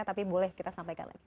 tapi boleh kita sampaikan lagi